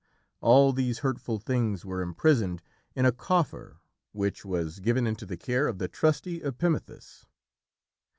All these hurtful things were imprisoned in a coffer which was given into the care of the trusty Epimethus.